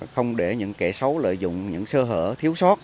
không để những kẻ xấu lợi dụng những sơ hở thiếu sót